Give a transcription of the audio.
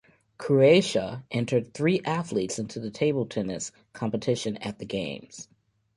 Croatia entered three athletes into the table tennis competition at the games.